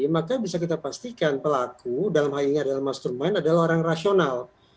maka kita bisa memastikan pelaku ini adalah orang yang rasional